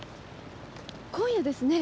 今夜ですね。